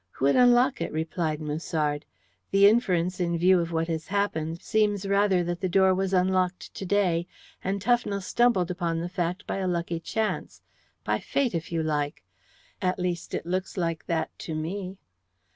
"Who would unlock it?" replied Musard. "The inference, in view of what has happened, seems rather that the door was unlocked to day, and Tufnell stumbled upon the fact by a lucky chance by Fate, if you like. At least it looks like that to me."